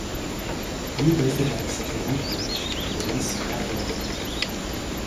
New residents to Woodbridge were less affluent.